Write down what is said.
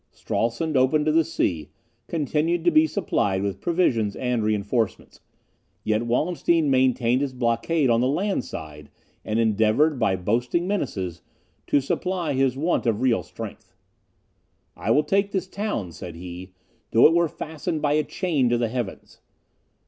Stralsund, open to the sea, continued to be supplied with provisions and reinforcements; yet Wallenstein maintained his blockade on the land side, and endeavoured, by boasting menaces, to supply his want of real strength. "I will take this town," said he, "though it were fastened by a chain to the heavens."